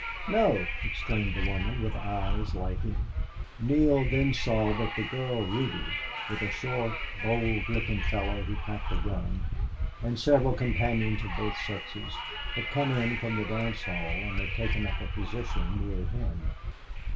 "No!" exclaimed the woman, with eyes lighting. Neale then saw that the girl Ruby, with a short, bold looking fellow who packed a gun, and several companions of both sexes, had come in from the dance hall and had taken up a position near him.